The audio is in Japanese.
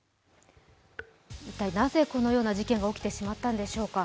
一体なぜこのような事件が起きてしまったのでしょうか。